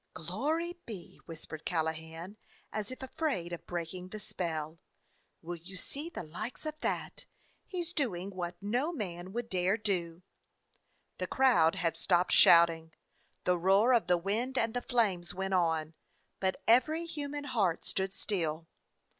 "Glory be!" whispered Callahan, as if afraid of breaking the spell. "Will you see the likes of that ! He 's doing what no man would dare do!" The crowd had stopped shouting; the roar of the wind and the flames went on, but every human heart stood still.